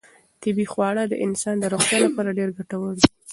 طبیعي خواړه د انسان د روغتیا لپاره ډېر ګټور دي.